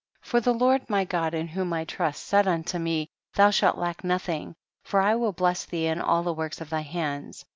15. For the Lord my God in whom I trust said unto me, thou shalt lack nothing, for I will bless thee in all the works of thy hands.